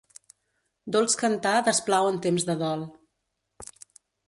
Dolç cantar desplau en temps de dol.